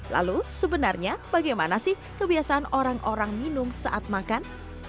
lalu sebenarnya bagaimana sih kebiasaan orang orang minum saat makan